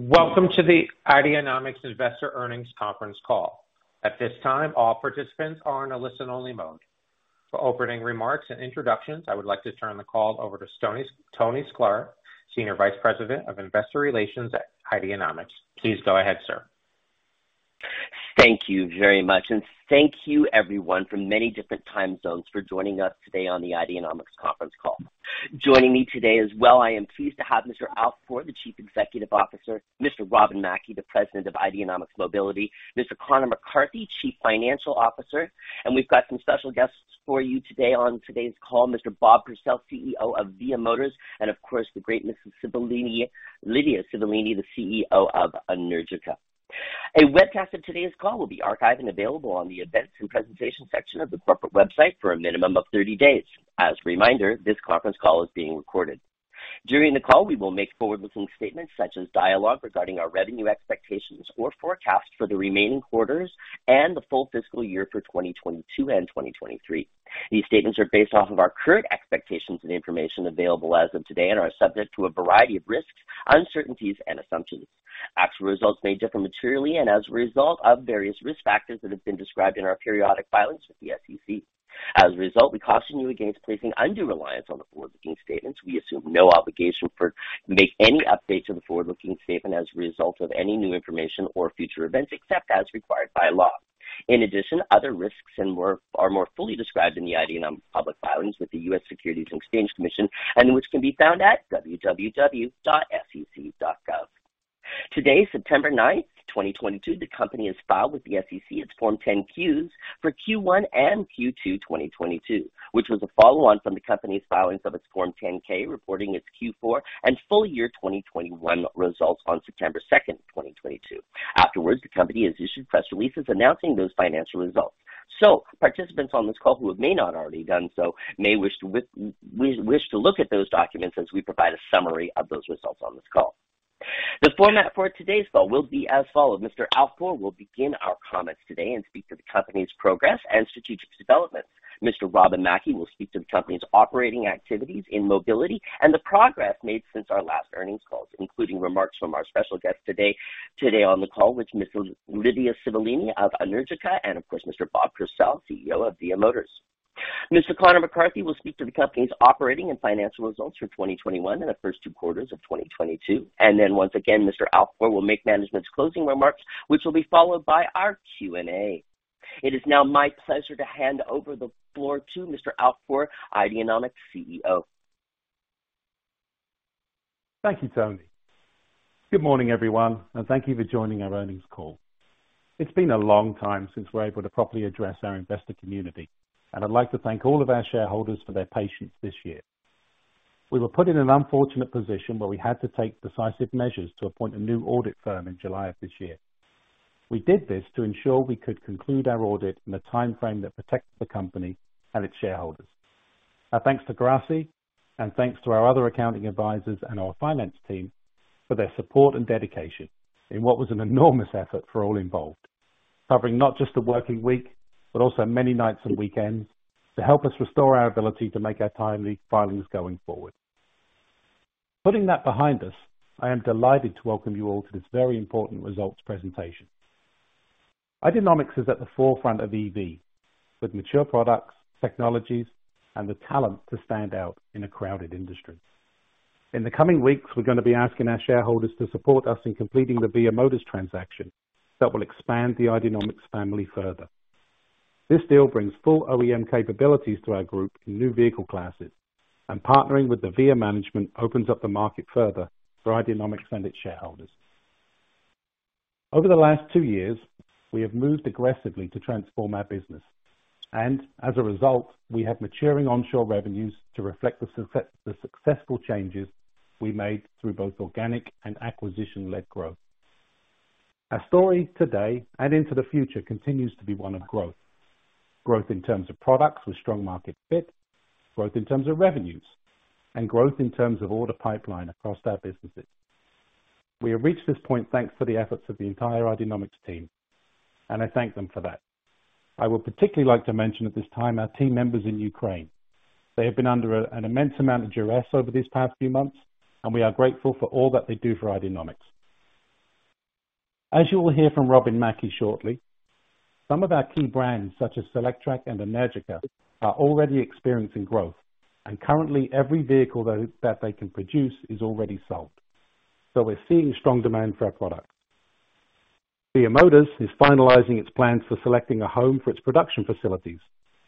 Welcome to the Ideanomics Investor Earnings Conference Call. At this time, all participants are in a listen-only mode. For opening remarks and introductions, I would like to turn the call over to Tony Sklar, Senior Vice President of Investor Relations at Ideanomics. Please go ahead, sir. Thank you very much, and thank you everyone from many different time zones for joining us today on the Ideanomics conference call. Joining me today as well, I am pleased to have Mr. Alf Poor, the Chief Executive Officer. Mr. Robin Mackie, the President of Ideanomics Mobility. Mr. Conor McCarthy, Chief Financial Officer. We've got some special guests for you today on today's call, Mr. Bob Purcell, CEO of VIA Motors, and of course, the great Mrs. Cevolini, Livia Cevolini, the CEO of Energica. A webcast of today's call will be archived and available on the events and presentation section of the corporate website for a minimum of 30 days. As a reminder, this conference call is being recorded. During the call, we will make forward-looking statements such as dialogue regarding our revenue expectations or forecasts for the remaining quarters and the full fiscal year for 2022 and 2023. These statements are based off of our current expectations and information available as of today and are subject to a variety of risks, uncertainties, and assumptions. Actual results may differ materially and as a result of various risk factors that have been described in our periodic filings with the SEC. As a result, we caution you against placing undue reliance on the forward-looking statements. We assume no obligation to make any updates to the forward-looking statements as a result of any new information or future events, except as required by law. In addition, other risks and more are more fully described in the Ideanomics public filings with the US Securities and Exchange Commission, and which can be found at www.sec.gov. Today, September 9, 2022, the company has filed with the SEC its Form 10-Qs for Q1 and Q2 2022, which was a follow on from the company's filings of its Form 10-K, reporting its Q4 and full year 2021 results on September 2, 2022. Afterwards, the company has issued press releases announcing those financial results. Participants on this call who may not have already done so may wish to look at those documents as we provide a summary of those results on this call. The format for today's call will be as follows. Mr. Alf Poor will begin our comments today and speak to the company's progress and strategic developments. Mr. Robin Mackie will speak to the company's operating activities in mobility and the progress made since our last earnings calls, including remarks from our special guest today on the call with Mrs. Livia Cevolini of Energica, and of course, Mr. Bob Purcell, CEO of VIA Motors. Mr. Conor McCarthy will speak to the company's operating and financial results for 2021 and the first two quarters of 2022. Once again, Mr. Alf Poor will make management's closing remarks, which will be followed by our Q&A. It is now my pleasure to hand over the floor to Mr. Alf Poor, Ideanomics CEO. Thank you, Tony. Good morning, everyone, and thank you for joining our earnings call. It's been a long time since we're able to properly address our investor community, and I'd like to thank all of our shareholders for their patience this year. We were put in an unfortunate position where we had to take decisive measures to appoint a new audit firm in July of this year. We did this to ensure we could conclude our audit in a timeframe that protects the company and its shareholders. Our thanks to Grassi and thanks to our other accounting advisors and our finance team for their support and dedication in what was an enormous effort for all involved. Covering not just the working week, but also many nights and weekends to help us restore our ability to make our timely filings going forward. Putting that behind us, I am delighted to welcome you all to this very important results presentation. Ideanomics is at the forefront of EV with mature products, technologies, and the talent to stand out in a crowded industry. In the coming weeks, we're gonna be asking our shareholders to support us in completing the VIA Motors transaction that will expand the Ideanomics family further. This deal brings full OEM capabilities to our group in new vehicle classes, and partnering with the VIA management opens up the market further for Ideanomics and its shareholders. Over the last two years, we have moved aggressively to transform our business, and as a result, we have maturing onshore revenues to reflect the successful changes we made through both organic and acquisition-led growth. Our story today and into the future continues to be one of growth. Growth in terms of products with strong market fit, growth in terms of revenues, and growth in terms of order pipeline across our businesses. We have reached this point thanks to the efforts of the entire Ideanomics team, and I thank them for that. I would particularly like to mention at this time our team members in Ukraine. They have been under an immense amount of duress over these past few months, and we are grateful for all that they do for Ideanomics. As you will hear from Robin Mackie shortly, some of our key brands, such as Solectrac and Energica, are already experiencing growth. Currently every vehicle that they can produce is already sold. We're seeing strong demand for our products. VIA Motors is finalizing its plans for selecting a home for its production facilities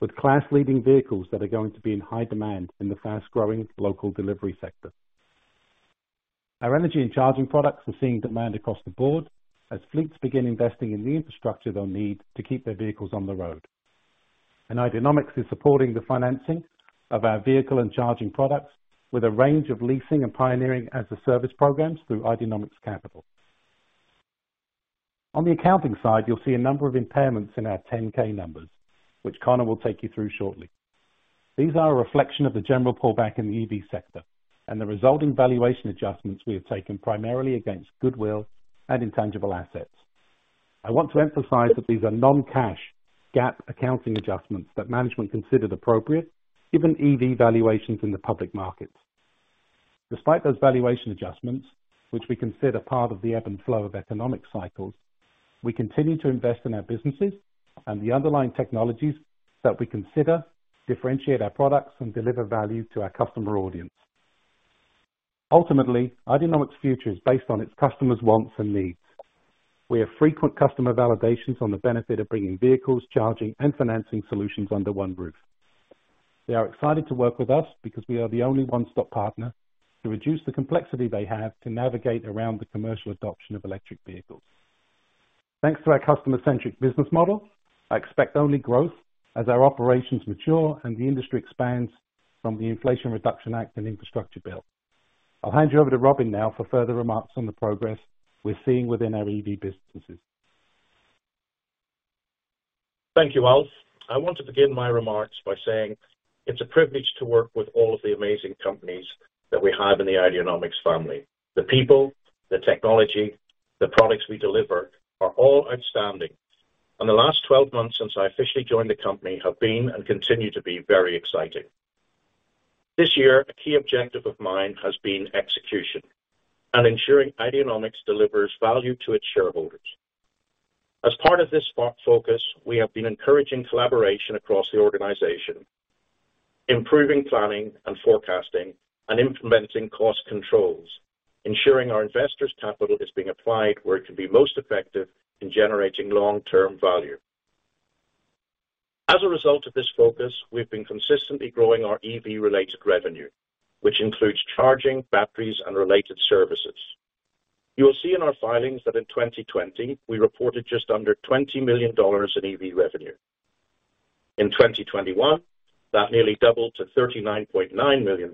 with class-leading vehicles that are going to be in high demand in the fast-growing local delivery sector. Our energy and charging products are seeing demand across the board as fleets begin investing in the infrastructure they'll need to keep their vehicles on the road. Ideanomics is supporting the financing of our vehicle and charging products with a range of leasing and pioneering as-a-service programs through Ideanomics Capital. On the accounting side, you'll see a number of impairments in our 10-K numbers, which Conor will take you through shortly. These are a reflection of the general pullback in the EV sector and the resulting valuation adjustments we have taken primarily against goodwill and intangible assets. I want to emphasize that these are non-cash GAAP accounting adjustments that management considered appropriate given EV valuations in the public markets. Despite those valuation adjustments, which we consider part of the ebb and flow of economic cycles, we continue to invest in our businesses and the underlying technologies that we consider differentiate our products and deliver value to our customer audience. Ultimately, Ideanomics' future is based on its customers' wants and needs. We have frequent customer validations on the benefit of bringing vehicles, charging, and financing solutions under one roof. They are excited to work with us because we are the only one-stop partner to reduce the complexity they have to navigate around the commercial adoption of electric vehicles. Thanks to our customer-centric business model, I expect only growth as our operations mature and the industry expands from the Inflation Reduction Act and Infrastructure Bill. I'll hand you over to Robin now for further remarks on the progress we're seeing within our EV businesses. Thank you, Alf. I want to begin my remarks by saying it's a privilege to work with all of the amazing companies that we have in the Ideanomics family. The people, the technology, the products we deliver are all outstanding. The last 12 months since I officially joined the company have been and continue to be very exciting. This year, a key objective of mine has been execution and ensuring Ideanomics delivers value to its shareholders. As part of this focus, we have been encouraging collaboration across the organization, improving planning and forecasting, and implementing cost controls, ensuring our investors' capital is being applied where it can be most effective in generating long-term value. As a result of this focus, we've been consistently growing our EV-related revenue, which includes charging, batteries, and related services. You will see in our filings that in 2020, we reported just under $20 million in EV revenue. In 2021, that nearly doubled to $39.9 million.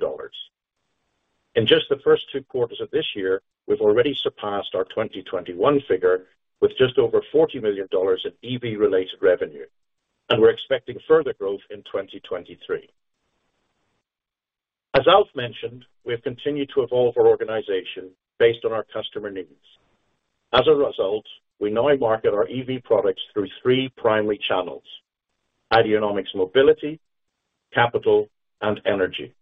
In just the first two quarters of this year, we've already surpassed our 2021 figure with just over $40 million in EV-related revenue, and we're expecting further growth in 2023. As Alf mentioned, we've continued to evolve our organization based on our customer needs. As a result, we now market our EV products through three primary channels, Ideanomics Mobility, Capital, and Energy.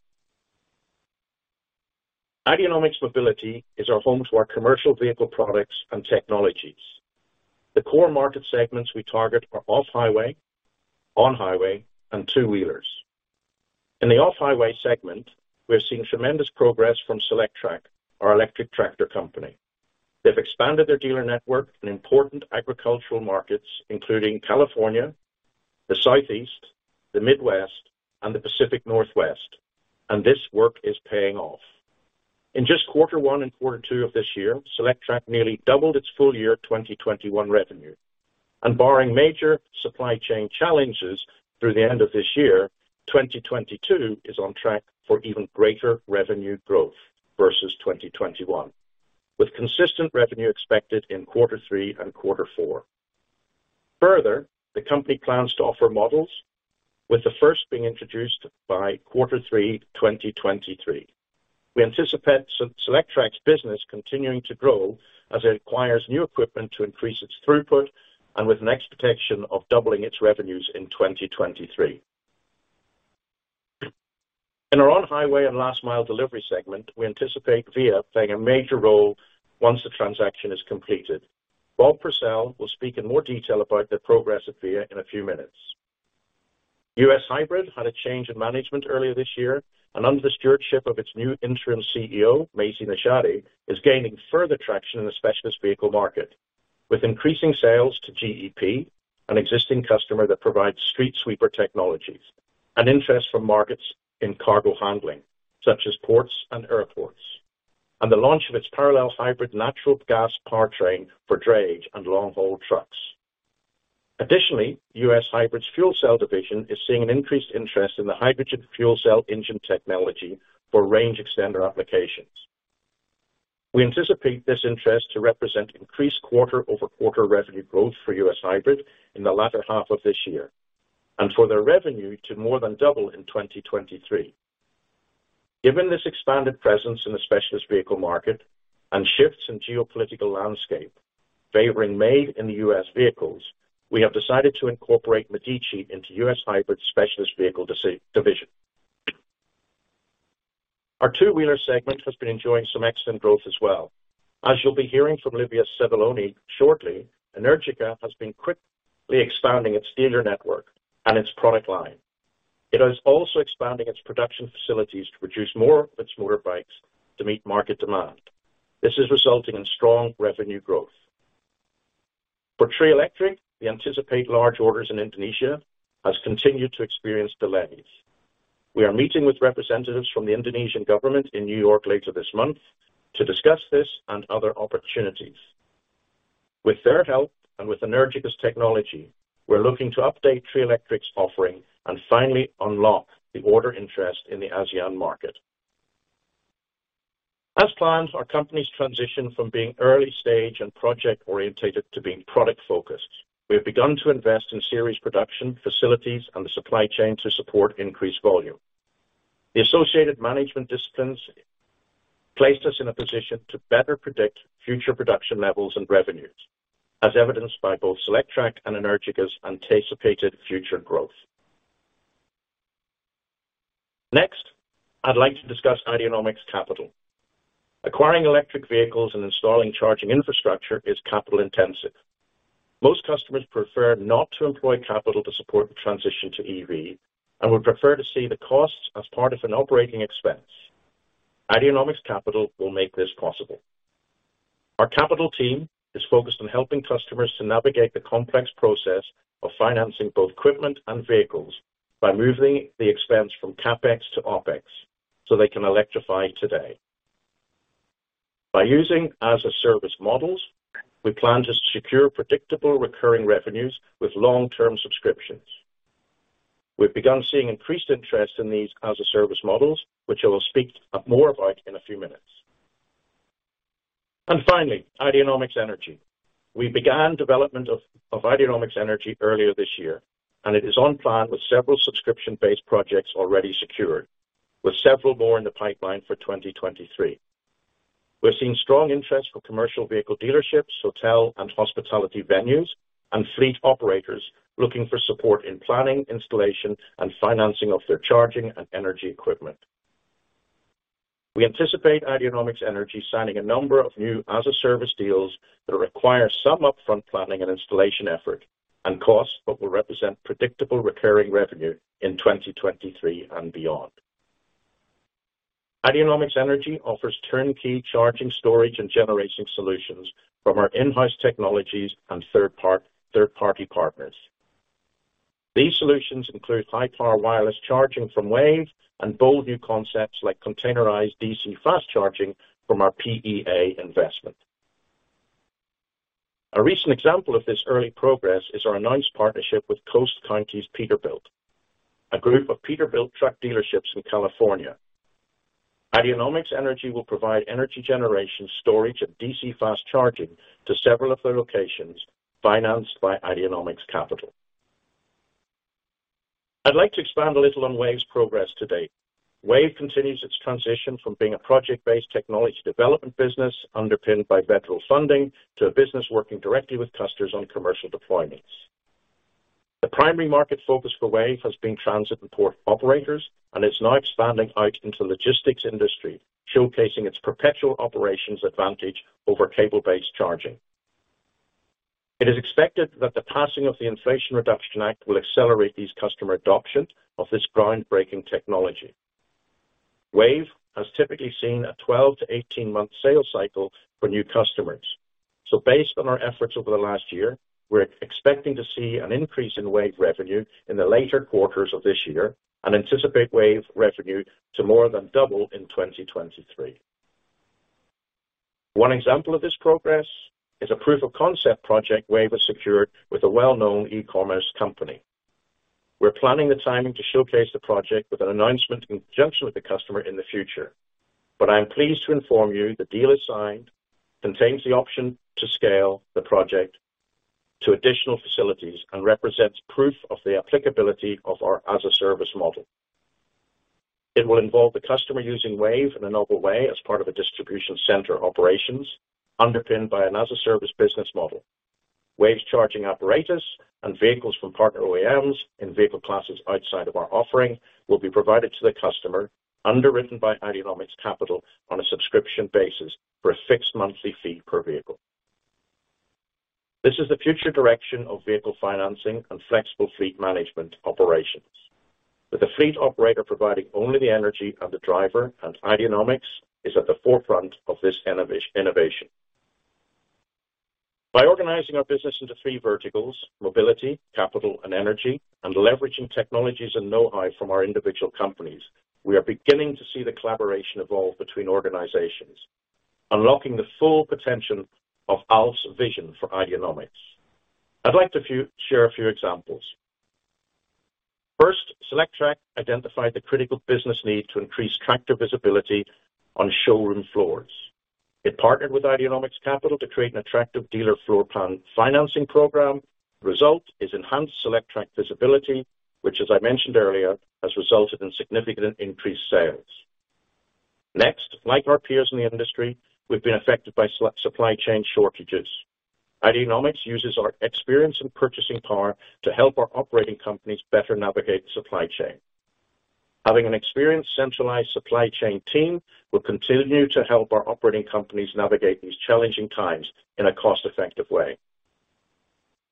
Ideanomics Mobility is our home to our commercial vehicle products and technologies. The core market segments we target are off-highway, on-highway, and two-wheelers. In the off-highway segment, we're seeing tremendous progress from Solectrac, our electric tractor company. They've expanded their dealer network in important agricultural markets, including California, the Southeast, the Midwest, and the Pacific Northwest, and this work is paying off. In just quarter one and quarter two of this year, Solectrac nearly doubled its full year 2021 revenue. Barring major supply chain challenges through the end of this year, 2022 is on track for even greater revenue growth versus 2021, with consistent revenue expected in quarter three and quarter four. Further, the company plans to offer models, with the first being introduced by quarter three, 2023. We anticipate Solectrac's business continuing to grow as it acquires new equipment to increase its throughput and with an expectation of doubling its revenues in 2023. In our on-highway and last mile delivery segment, we anticipate VIA Motors playing a major role once the transaction is completed. Bob Purcell will speak in more detail about the progress of VIA in a few minutes. US Hybrid had a change in management earlier this year, and under the stewardship of its new interim CEO, Macy Neshati, is gaining further traction in the specialist vehicle market with increasing sales to GEP, an existing customer that provides street sweeper technologies, and interest from markets in cargo handling, such as ports and airports. The launch of its parallel hybrid natural gas powertrain for drayage and long-haul trucks. Additionally, US Hybrid's fuel cell division is seeing an increased interest in the hydrogen fuel cell engine technology for range extender applications. We anticipate this interest to represent increased quarter-over-quarter revenue growth for US Hybrid in the latter half of this year, and for their revenue to more than double in 2023. Given this expanded presence in the specialist vehicle market and shifts in geopolitical landscape favoring made in the U.S. vehicles, we have decided to incorporate Medici into US Hybrid specialist vehicle division. Our two-wheeler segment has been enjoying some excellent growth as well. As you'll be hearing from Livia Cevolini shortly, Energica has been quickly expanding its dealer network and its product line. It is also expanding its production facilities to produce more of its motorbikes to meet market demand. This is resulting in strong revenue growth. For Treeletriq, we anticipate large orders in Indonesia. It has continued to experience delays. We are meeting with representatives from the Indonesian government in New York later this month to discuss this and other opportunities. With their help and with Energica's technology, we're looking to update Treeletriq's offering and finally unlock the order interest in the ASEAN market. As planned, our company's transition from being early-stage and project-oriented to being product-focused, we have begun to invest in series production, facilities, and the supply chain to support increased volume. The associated management disciplines placed us in a position to better predict future production levels and revenues, as evidenced by both Solectrac and Energica's anticipated future growth. Next, I'd like to discuss Ideanomics Capital. Acquiring electric vehicles and installing charging infrastructure is capital-intensive. Most customers prefer not to employ capital to support the transition to EV and would prefer to see the costs as part of an operating expense. Ideanomics Capital will make this possible. Our capital team is focused on helping customers to navigate the complex process of financing both equipment and vehicles by moving the expense from CapEx to OpEx, so they can electrify today. By using as-a-service models, we plan to secure predictable recurring revenues with long-term subscriptions. We've begun seeing increased interest in these as-a-service models, which I will speak up more about in a few minutes. Finally, Ideanomics Energy. We began development of Ideanomics Energy earlier this year, and it is on plan with several subscription-based projects already secured, with several more in the pipeline for 2023. We're seeing strong interest from commercial vehicle dealerships, hotel and hospitality venues, and fleet operators looking for support in planning, installation, and financing of their charging and energy equipment. We anticipate Ideanomics Energy signing a number of new as-a-service deals that require some upfront planning and installation effort and cost, but will represent predictable recurring revenue in 2023 and beyond. Ideanomics Energy offers turnkey charging storage and generation solutions from our in-house technologies and third-party partners. These solutions include high power wireless charging from WAVE and bold new concepts like containerized DC fast charging from our PEA investment. A recent example of this early progress is our announced partnership with Coast Counties Peterbilt, a group of Peterbilt truck dealerships in California. Ideanomics Energy will provide energy generation storage and DC fast charging to several of their locations financed by Ideanomics Capital. I'd like to expand a little on WAVE's progress to date. WAVE continues its transition from being a project-based technology development business underpinned by federal funding to a business working directly with customers on commercial deployments. The primary market focus for WAVE has been transit and port operators and is now expanding out into logistics industry, showcasing its perpetual operations advantage over cable-based charging. It is expected that the passing of the Inflation Reduction Act will accelerate customer adoption of this ground-breaking technology. WAVE has typically seen a 12- to 18-month sales cycle for new customers. Based on our efforts over the last year, we're expecting to see an increase in WAVE revenue in the later quarters of this year and anticipate WAVE revenue to more than double in 2023. One example of this progress is a proof of concept project WAVE has secured with a well-known e-commerce company. We're planning the timing to showcase the project with an announcement in conjunction with the customer in the future. I am pleased to inform you the deal is signed, contains the option to scale the project to additional facilities, and represents proof of the applicability of our as a service model. It will involve the customer using WAVE in a novel way as part of a distribution center operations underpinned by an as a service business model. WAVE's charging apparatus and vehicles from partner OEMs in vehicle classes outside of our offering will be provided to the customer underwritten by Ideanomics Capital on a subscription basis for a fixed monthly fee per vehicle. This is the future direction of vehicle financing and flexible fleet management operations, with the fleet operator providing only the energy and the driver, and Ideanomics is at the forefront of this innovation. By organizing our business into three verticals, mobility, capital, and energy, and leveraging technologies and know-how from our individual companies, we are beginning to see the collaboration evolve between organizations, unlocking the full potential of Alf's vision for Ideanomics. I'd like to share a few examples. First, Solectrac identified the critical business need to increase tractor visibility on showroom floors. It partnered with Ideanomics Capital to create an attractive dealer floor plan financing program. Result is enhanced Solectrac visibility, which as I mentioned earlier, has resulted in significant increased sales. Next, like our peers in the industry, we've been affected by supply chain shortages. Ideanomics uses our experience and purchasing power to help our operating companies better navigate the supply chain. Having an experienced centralized supply chain team will continue to help our operating companies navigate these challenging times in a cost-effective way.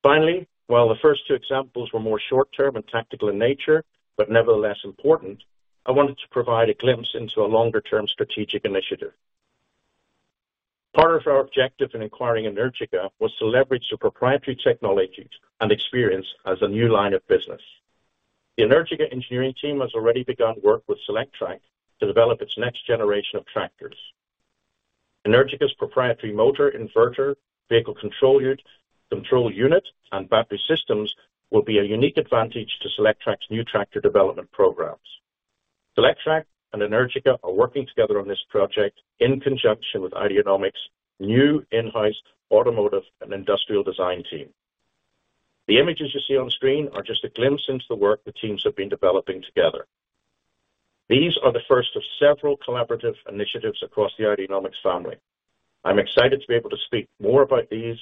Finally, while the first two examples were more short-term and tactical in nature, but nevertheless important, I wanted to provide a glimpse into a longer-term strategic initiative. Part of our objective in acquiring Energica was to leverage the proprietary technologies and experience as a new line of business. The Energica engineering team has already begun work with Solectrac to develop its next generation of tractors. Energica's proprietary motor inverter, vehicle control unit, control unit, and battery systems will be a unique advantage to Solectrac's new tractor development programs. Solectrac and Energica are working together on this project in conjunction with Ideanomics' new in-house automotive and industrial design team. The images you see on screen are just a glimpse into the work the teams have been developing together. These are the first of several collaborative initiatives across the Ideanomics family. I'm excited to be able to speak more about these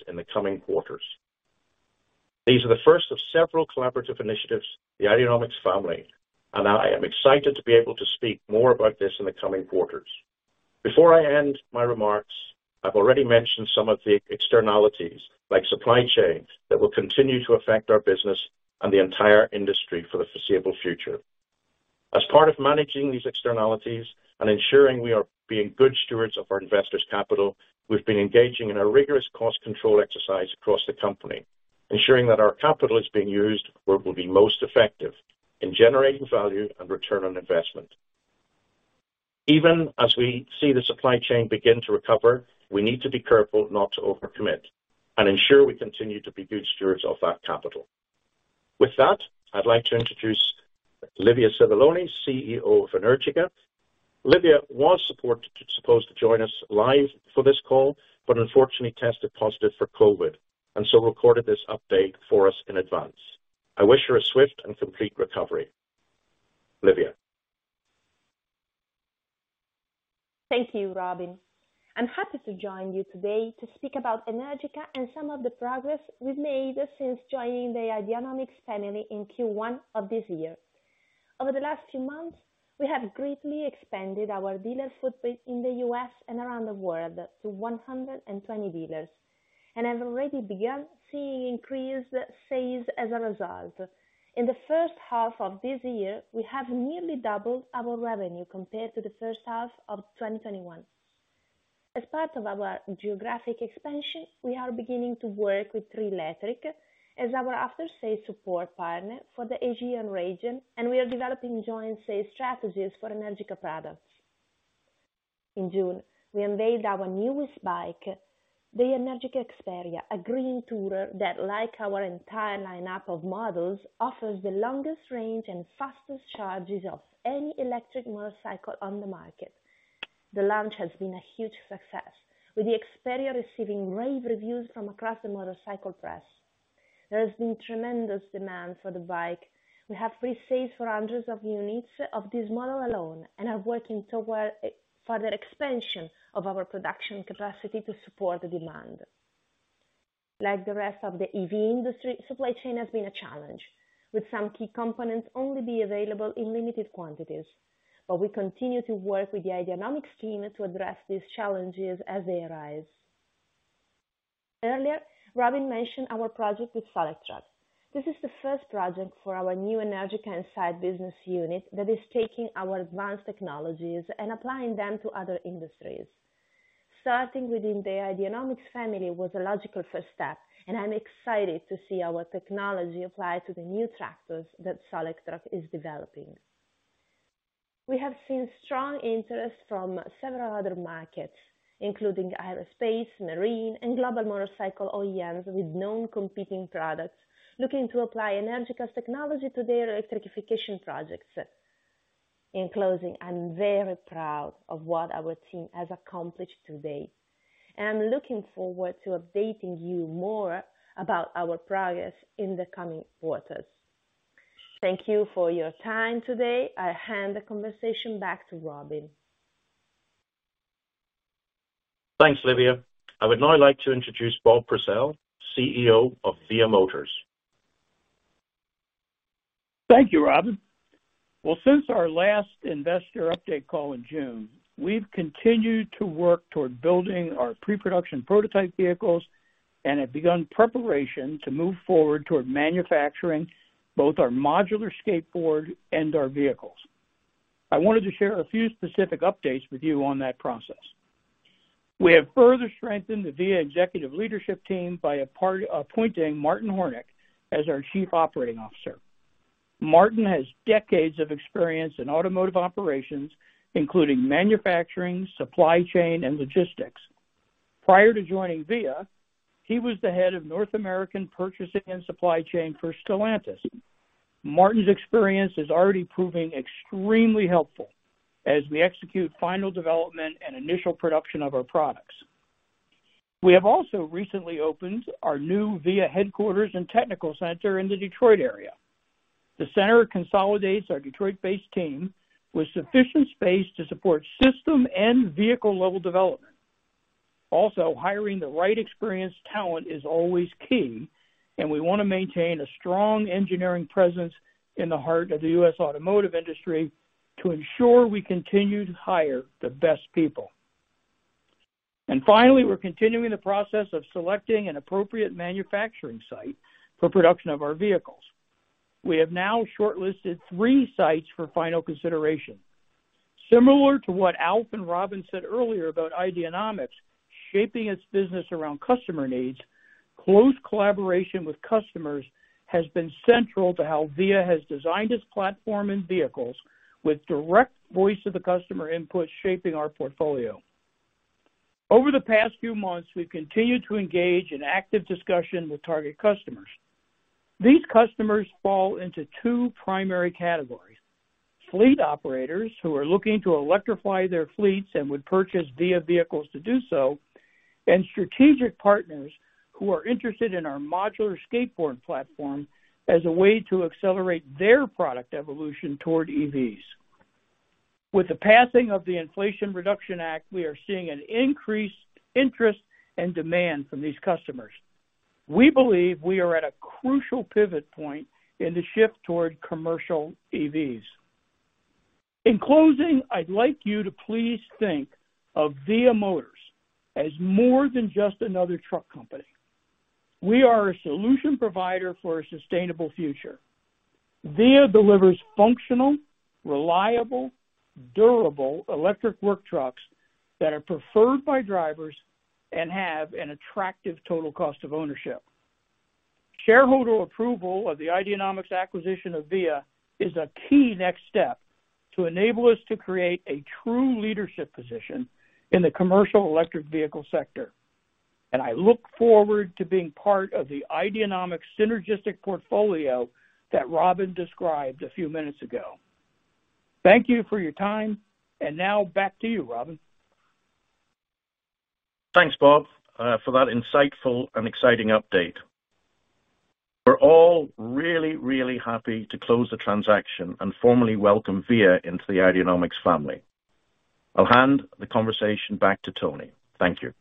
in the coming quarters. Before I end my remarks, I've already mentioned some of the externalities, like supply chains, that will continue to affect our business and the entire industry for the foreseeable future. As part of managing these externalities and ensuring we are being good stewards of our investors' capital, we've been engaging in a rigorous cost control exercise across the company, ensuring that our capital is being used where it will be most effective in generating value and return on investment. Even as we see the supply chain begin to recover, we need to be careful not to overcommit and ensure we continue to be good stewards of that capital. With that, I'd like to introduce Livia Cevolini, CEO of Energica. Livia was supposed to join us live for this call, but unfortunately tested positive for COVID, and so recorded this update for us in advance. I wish her a swift and complete recovery. Livia. Thank you, Robin. I'm happy to join you today to speak about Energica and some of the progress we've made since joining the Ideanomics family in Q1 of this year. Over the last few months, we have greatly expanded our dealer footprint in the U.S. and around the world to 120 dealers, and have already begun seeing increased sales as a result. In the first half of this year, we have nearly doubled our revenue compared to the first half of 2021. As part of our geographic expansion, we are beginning to work with Treeletrik as our after-sales support partner for the Asian region, and we are developing joint sales strategies for Energica products. In June, we unveiled our newest bike, the Energica Experia, a green tourer that, like our entire lineup of models, offers the longest range and fastest charges of any electric motorcycle on the market. The launch has been a huge success, with the Experia receiving rave reviews from across the motorcycle press. There has been tremendous demand for the bike. We have pre-sales for hundreds of units of this model alone and are working toward further expansion of our production capacity to support the demand. Like the rest of the EV industry, supply chain has been a challenge, with some key components only being available in limited quantities. We continue to work with the Ideanomics team to address these challenges as they arise. Earlier, Robin mentioned our project with Solectrac. This is the first project for our new Energica Inside business unit that is taking our advanced technologies and applying them to other industries. Starting within the Ideanomics family was a logical first step, and I'm excited to see our technology applied to the new tractors that Solectrac is developing. We have seen strong interest from several other markets, including aerospace, marine, and global motorcycle OEMs with non-competing products looking to apply Energica's technology to their electrification projects. In closing, I'm very proud of what our team has accomplished to date, and I'm looking forward to updating you more about our progress in the coming quarters. Thank you for your time today. I hand the conversation back to Robin. Thanks, Livia. I would now like to introduce Bob Purcell, CEO of VIA Motors. Thank you, Robin. Well, since our last investor update call in June, we've continued to work toward building our pre-production prototype vehicles and have begun preparation to move forward toward manufacturing both our modular skateboard and our vehicles. I wanted to share a few specific updates with you on that process. We have further strengthened the VIA executive leadership team by appointing Martin Horneck as our Chief Operating Officer. Martin has decades of experience in automotive operations, including manufacturing, supply chain, and logistics. Prior to joining VIA, he was the head of North American purchasing and supply chain for Stellantis. Martin's experience is already proving extremely helpful as we execute final development and initial production of our products. We have also recently opened our new VIA headquarters and technical center in the Detroit area. The center consolidates our Detroit-based team with sufficient space to support system and vehicle-level development. Also, hiring the right experienced talent is always key, and we wanna maintain a strong engineering presence in the heart of the US automotive industry to ensure we continue to hire the best people. Finally, we're continuing the process of selecting an appropriate manufacturing site for production of our vehicles. We have now shortlisted three sites for final consideration. Similar to what Alf and Robin said earlier about Ideanomics shaping its business around customer needs, close collaboration with customers has been central to how VIA has designed its platform and vehicles with direct voice-of-the-customer input shaping our portfolio. Over the past few months, we've continued to engage in active discussion with target customers. These customers fall into two primary categories. Fleet operators who are looking to electrify their fleets and would purchase VIA vehicles to do so, and strategic partners who are interested in our modular skateboard platform as a way to accelerate their product evolution toward EVs. With the passing of the Inflation Reduction Act, we are seeing an increased interest and demand from these customers. We believe we are at a crucial pivot point in the shift toward commercial EVs. In closing, I'd like you to please think of VIA Motors as more than just another truck company. We are a solution provider for a sustainable future. VIA delivers functional, reliable, durable electric work trucks that are preferred by drivers and have an attractive total cost of ownership. Shareholder approval of the Ideanomics acquisition of VIA is a key next step to enable us to create a true leadership position in the commercial electric vehicle sector. I look forward to being part of the Ideanomics synergistic portfolio that Robin described a few minutes ago. Thank you for your time. Now back to you, Robin. Thanks, Bob, for that insightful and exciting update. We're all really, really happy to close the transaction and formally welcome VIA into the Ideanomics family. I'll hand the conversation back to Tony. Thank you.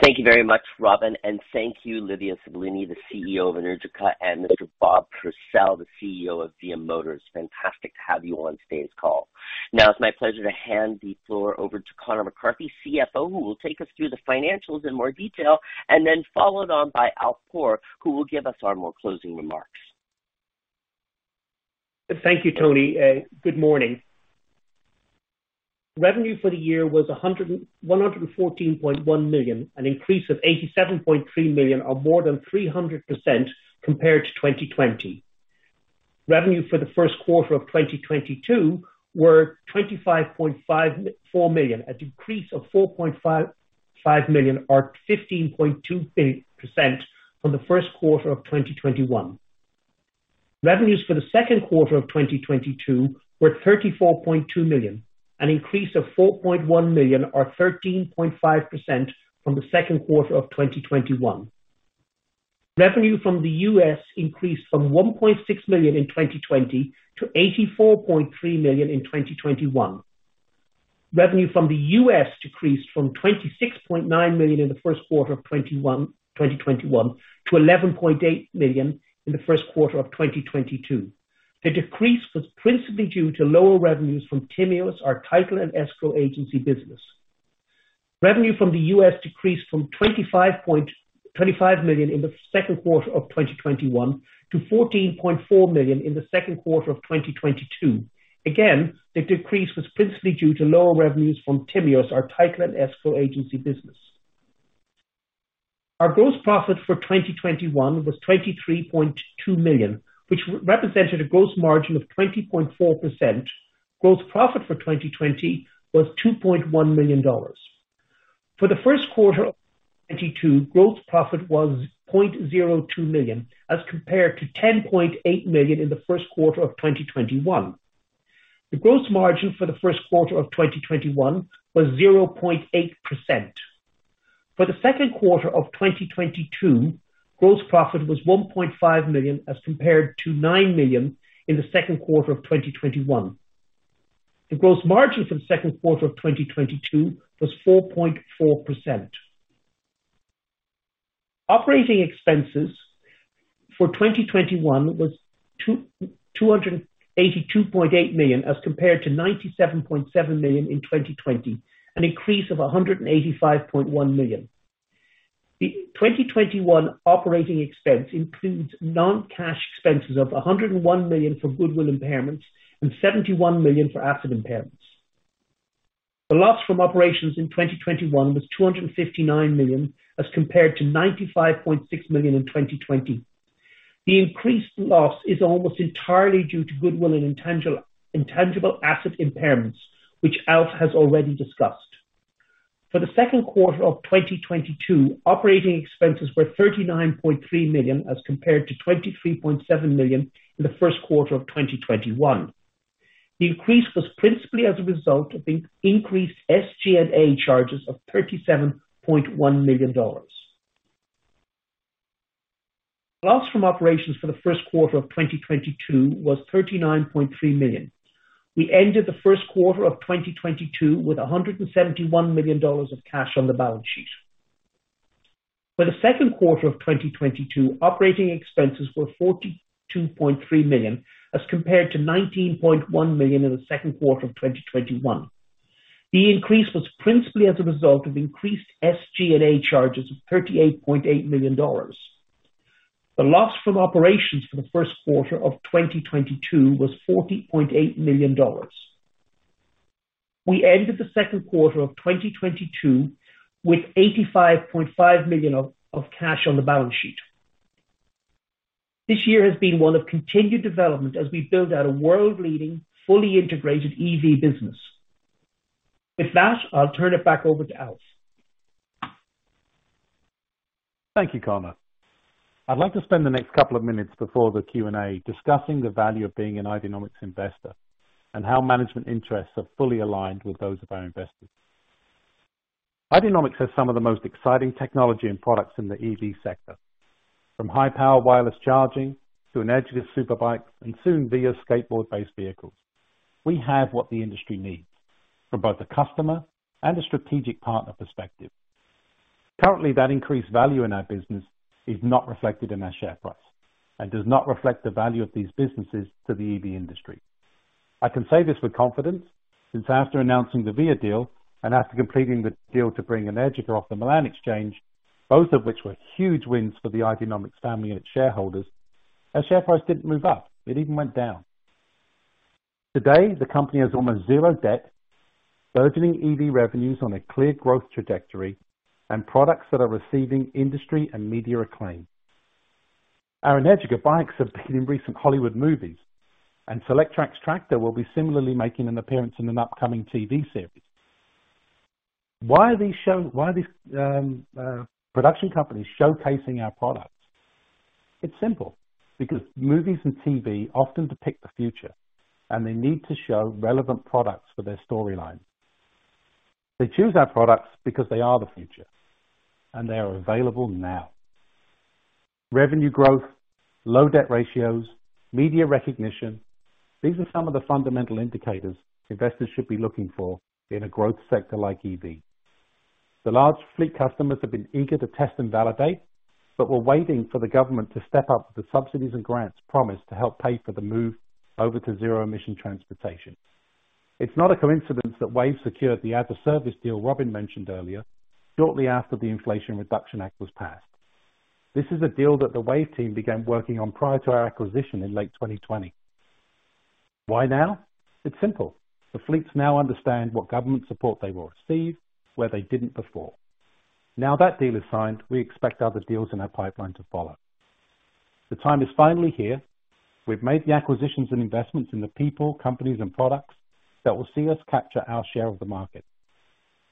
Thank you very much, Robin. Thank you, Livia Cevolini, the CEO of Energica, and Mr. Bob Purcell, the CEO of VIA Motors. Fantastic to have you on today's call. Now it's my pleasure to hand the floor over to Conor McCarthy, CFO, who will take us through the financials in more detail, and then followed on by Alf Poor, who will give us our more closing remarks. Thank you, Tony. Good morning. Revenue for the year was $114.1 million, an increase of $87.3 million, or more than 300% compared to 2020. Revenue for the first quarter of 2022 were $25.4 million, a decrease of $4.55 million or 15.2% from the first quarter of 2021. Revenues for the second quarter of 2022 were $34.2 million, an increase of $4.1 million or 13.5% from the second quarter of 2021. Revenue from the U.S. increased from $1.6 million in 2020 to $84.3 million in 2021. Revenue from the U.S. decreased from $26.9 million in the first quarter of 2021 to $11.8 million in the first quarter of 2022. The decrease was principally due to lower revenues from Timios, our title and escrow agency business. Revenue from the U.S. decreased from $25 million in the second quarter of 2021 to $14.4 million in the second quarter of 2022. Again, the decrease was principally due to lower revenues from Timios, our title and escrow agency business. Our gross profit for 2021 was $23.2 million, which represented a gross margin of 20.4%. Gross profit for 2020 was $2.1 million. For the first quarter of 2022, gross profit was $0.02 million as compared to $10.8 million in the first quarter of 2021. The gross margin for the first quarter of 2021 was 0.8%. For the second quarter of 2022, gross profit was $1.5 million as compared to $9 million in the second quarter of 2021. The gross margin for the second quarter of 2022 was 4.4%. Operating expenses for 2021 was $282.8 million as compared to $97.7 million in 2020, an increase of $185.1 million. The 2021 operating expense includes non-cash expenses of $101 million for goodwill impairments and $71 million for asset impairments. The loss from operations in 2021 was $259 million as compared to $95.6 million in 2020. The increased loss is almost entirely due to goodwill and intangible asset impairments, which Alf has already discussed. For the second quarter of 2022, operating expenses were $39.3 million, as compared to $23.7 million in the first quarter of 2021. The increase was principally as a result of the increased SG&A charges of $37.1 million. Loss from operations for the first quarter of 2022 was $39.3 million. We ended the first quarter of 2022 with $171 million of cash on the balance sheet. For the second quarter of 2022, operating expenses were $42.3 million, as compared to $19.1 million in the second quarter of 2021. The increase was principally as a result of increased SG&A charges of $38.8 million. The loss from operations for the first quarter of 2022 was $40.8 million. We ended the second quarter of 2022 with $85.5 million of cash on the balance sheet. This year has been one of continued development as we build out a world-leading, fully integrated EV business. With that, I'll turn it back over to Alf. Thank you, Connor. I'd like to spend the next couple of minutes before the Q&A discussing the value of being an Ideanomics investor and how management interests are fully aligned with those of our investors. Ideanomics has some of the most exciting technology and products in the EV sector, from high-power wireless charging to an Energica super bike, and soon Via skateboard-based vehicles. We have what the industry needs from both the customer and a strategic partner perspective. Currently, that increased value in our business is not reflected in our share price and does not reflect the value of these businesses to the EV industry. I can say this with confidence since after announcing the Via deal and after completing the deal to bring Energica off the Milan Exchange, both of which were huge wins for the Ideanomics family and its shareholders, our share price didn't move up. It even went down. Today, the company has almost zero debt, burgeoning EV revenues on a clear growth trajectory, and products that are receiving industry and media acclaim. Our Energica bikes have been in recent Hollywood movies, and Solectrac's tractor will be similarly making an appearance in an upcoming TV series. Why are these production companies showcasing our products? It's simple. Because movies and TV often depict the future, and they need to show relevant products for their storyline. They choose our products because they are the future, and they are available now. Revenue growth, low debt ratios, media recognition. These are some of the fundamental indicators investors should be looking for in a growth sector like EV. The large fleet customers have been eager to test and validate, but were waiting for the government to step up the subsidies and grants promised to help pay for the move over to zero-emission transportation. It's not a coincidence that WAVE secured the as-a-service deal Robin mentioned earlier shortly after the Inflation Reduction Act was passed. This is a deal that the WAVE team began working on prior to our acquisition in late 2020. Why now? It's simple. The fleets now understand what government support they will receive where they didn't before. Now that deal is signed, we expect other deals in our pipeline to follow. The time is finally here. We've made the acquisitions and investments in the people, companies and products that will see us capture our share of the market.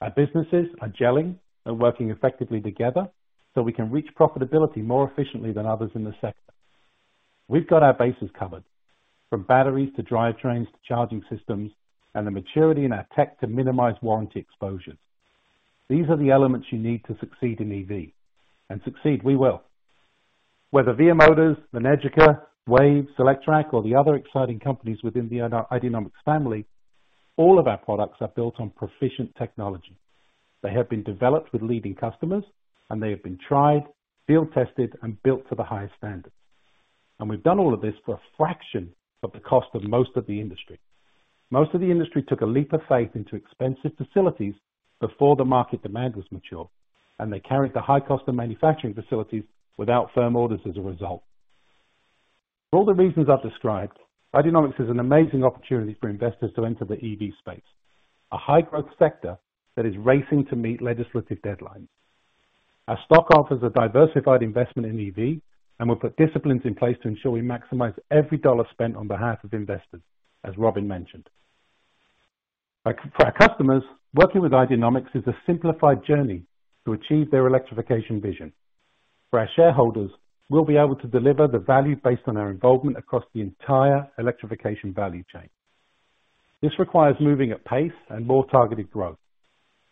Our businesses are gelling and working effectively together so we can reach profitability more efficiently than others in the sector. We've got our bases covered, from batteries to drivetrains to charging systems, and the maturity in our tech to minimize warranty exposure. These are the elements you need to succeed in EV, and succeed we will. Whether VIA Motors, Energica, WAVE, Solectrac, or the other exciting companies within the Ideanomics family, all of our products are built on proficient technology. They have been developed with leading customers and they have been tried, field-tested and built to the highest standards. We've done all of this for a fraction of the cost of most of the industry. Most of the industry took a leap of faith into expensive facilities before the market demand was mature, and they carried the high cost of manufacturing facilities without firm orders as a result. For all the reasons I've described, Ideanomics is an amazing opportunity for investors to enter the EV space, a high-growth sector that is racing to meet legislative deadlines. Our stock offers a diversified investment in EV, and we've put disciplines in place to ensure we maximize every dollar spent on behalf of investors, as Robin mentioned. For our customers, working with Ideanomics is a simplified journey to achieve their electrification vision. For our shareholders, we'll be able to deliver the value based on our involvement across the entire electrification value chain. This requires moving at pace and more targeted growth,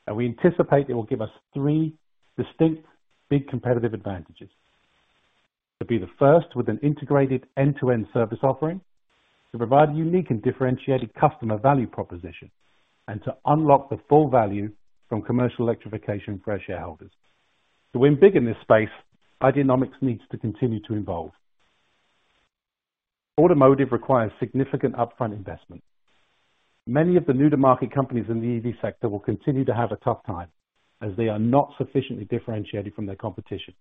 and we anticipate it will give us three distinct big competitive advantages, to be the first with an integrated end-to-end service offering, to provide a unique and differentiated customer value proposition, and to unlock the full value from commercial electrification for our shareholders. To win big in this space, Ideanomics needs to continue to evolve. Automotive requires significant upfront investment. Many of the new-to-market companies in the EV sector will continue to have a tough time as they are not sufficiently differentiated from their competition.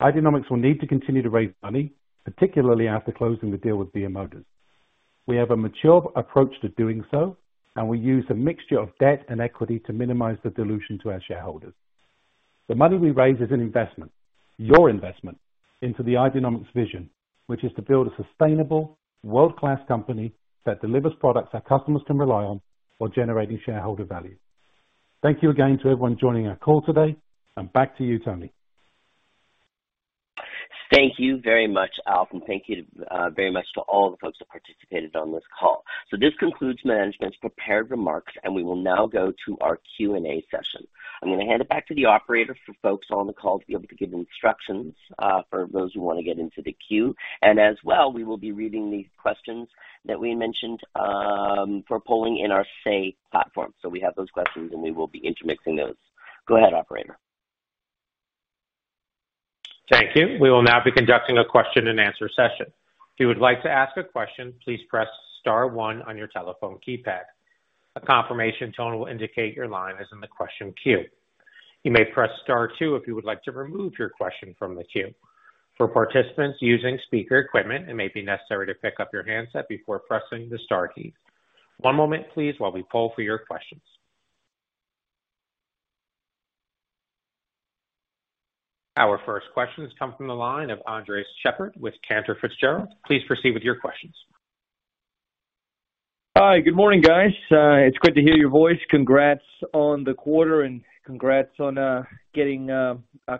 Ideanomics will need to continue to raise money, particularly after closing the deal with VIA Motors. We have a mature approach to doing so, and we use a mixture of debt and equity to minimize the dilution to our shareholders. The money we raise is an investment, your investment into the Ideanomics vision, which is to build a sustainable, world-class company that delivers products our customers can rely on while generating shareholder value. Thank you again to everyone joining our call today. Back to you, Tony. Thank you very much, Alf, and thank you very much to all the folks that participated on this call. This concludes management's prepared remarks, and we will now go to our Q&A session. I'm gonna hand it back to the operator for folks on the call to be able to give instructions for those who wanna get into the queue. As well, we will be reading the questions that we mentioned for polling in our Say platform. We have those questions, and we will be intermixing those. Go ahead, operator. Thank you. We will now be conducting a question-and-answer session. If you would like to ask a question, please press star one on your telephone keypad. A confirmation tone will indicate your line is in the question queue. You may press star two if you would like to remove your question from the queue. For participants using speaker equipment, it may be necessary to pick up your handset before pressing the star key. One moment please while we poll for your questions. Our first question has come from the line of Andres Sheppard with Cantor Fitzgerald. Please proceed with your questions. Hi, good morning, guys. It's great to hear your voice. Congrats on the quarter, and congrats on getting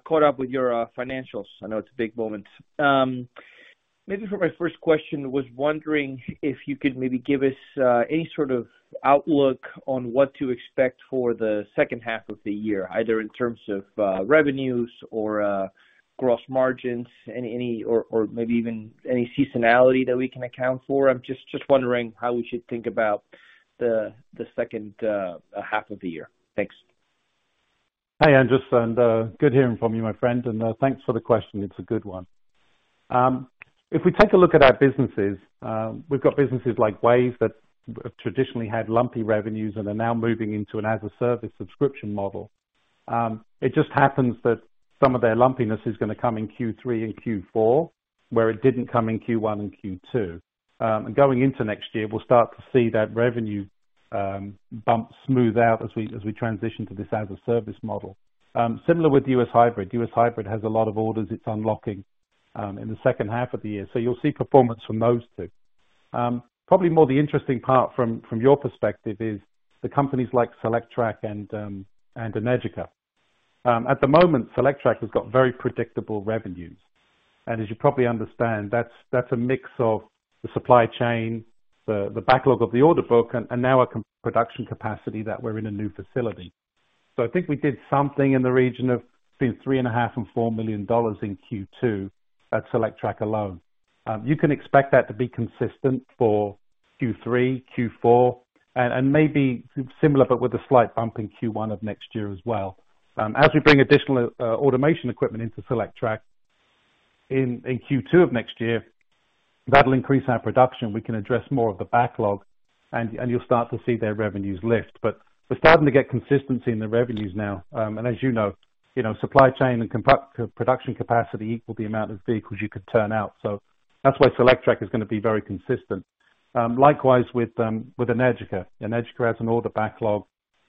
caught up with your financials. I know it's a big moment. Maybe for my first question, was wondering if you could maybe give us any sort of outlook on what to expect for the second half of the year, either in terms of revenues or gross margins. Any or maybe even any seasonality that we can account for. I'm just wondering how we should think about the second half of the year. Thanks. Hi, Andres. Good hearing from you, my friend. Thanks for the question. It's a good one. If we take a look at our businesses, we've got businesses like WAVE that have traditionally had lumpy revenues and are now moving into an as-a-service subscription model. It just happens that some of their lumpiness is gonna come in Q3 and Q4, where it didn't come in Q1 and Q2. Going into next year, we'll start to see that revenue bump smooth out as we transition to this as-a-service model. Similar with US Hybrid. US Hybrid has a lot of orders it's unlocking in the second half of the year. You'll see performance from those two. Probably more the interesting part from your perspective is the companies like Solectrac and Energica. At the moment, Solectrac has got very predictable revenues. As you probably understand, that's a mix of the supply chain, the backlog of the order book, and now our production capacity that we're in a new facility. I think we did something in the region of between $3.5 million and $4 million in Q2 at Solectrac alone. You can expect that to be consistent for Q3, Q4, and maybe similar, but with a slight bump in Q1 of next year as well. As we bring additional automation equipment into Solectrac in Q2 of next year, that'll increase our production. We can address more of the backlog and you'll start to see their revenues lift. We're starting to get consistency in the revenues now. As you know, you know, supply chain and production capacity equal the amount of vehicles you could turn out. That's why Solectrac is gonna be very consistent. Likewise with Energica. Energica has an order backlog,